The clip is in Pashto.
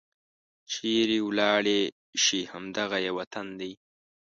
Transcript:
چيرې ولاړې شي؟ همد غه یې وطن دی